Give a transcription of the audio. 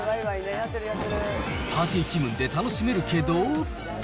パーティー気分で楽しめるけど。